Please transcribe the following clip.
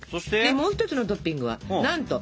もう一つのトッピングはなんとしょうが！